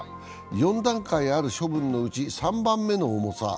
４段階ある処分のうち３番目の重さ。